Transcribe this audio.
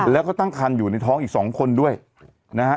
แล้วก็ตั้งคันอยู่ในท้องอีก๒คนด้วยนะฮะ